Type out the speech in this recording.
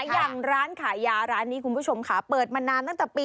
อย่างร้านขายยาร้านนี้คุณผู้ชมค่ะเปิดมานานตั้งแต่ปี๒